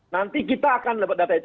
nanti kita akan dapat data itu